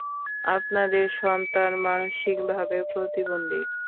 আপনাদের সন্তান মানসিকভাবে প্রতিবন্ধী।